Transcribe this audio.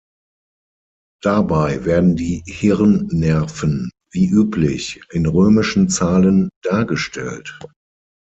Dabei werden die Hirnnerven, wie üblich, in römischen Zahlen dargestellt.